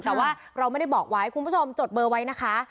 แต่ว่าเราไม่ได้บอกไว้คุณผู้ชมจดเบอร์ไว้นะคะ